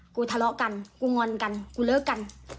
ทะเลาะกันกูงอนกันกูเลิกกัน